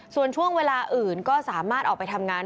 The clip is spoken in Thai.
ส่วนช่วงเวลาอื่นก็สามารถออกไปทำงาน